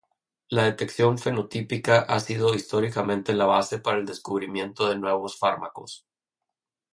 La detección fenotípica ha sido históricamente la base para el descubrimiento de nuevos fármacos.